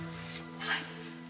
はい。